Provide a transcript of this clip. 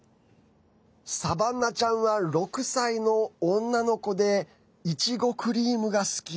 サバンナちゃんは６歳の女の子でいちごクリームが好き。